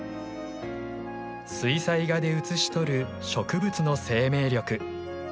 水彩画で写し取る植物の生命力。